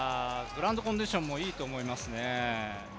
グラウンドコンディションもいいと思いますね。